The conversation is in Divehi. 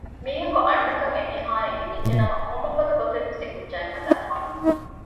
މީހަކު އަންނަކަން އެ މީހާއަށް އެނގިއްޖެނަމަ ކޮންމެފަދަ ގޮތެއްވެސް އެ ކުއްޖާއަށް ހަދައިފާނެ